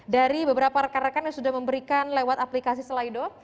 dari beberapa rekan rekan yang sudah memberikan lewat aplikasi slido